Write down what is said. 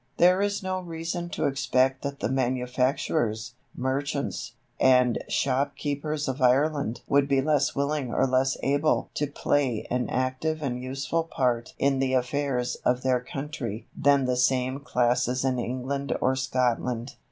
There is no reason to expect that the manufacturers, merchants, and shopkeepers of Ireland would be less willing or less able to play an active and useful part in the affairs of their country than the same classes in England or Scotland.